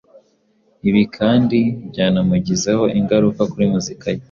Ibi kandi byanamugizeho ingaruka kuri muzika ye